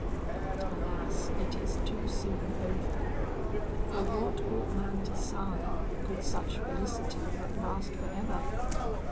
But alas, it is too soon over! For what ought man to sigh, could such felicity but last for ever?